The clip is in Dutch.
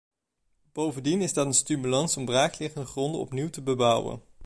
Bovendien is dat een stimulans om braakliggende gronden opnieuw te bebouwen.